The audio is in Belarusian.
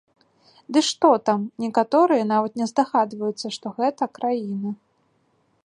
Ды што там, некаторыя нават не здагадваюцца, што гэта краіна.